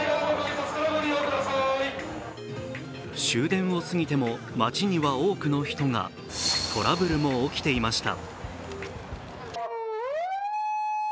終電を過ぎても街には多くの人がトラブルも起きていました。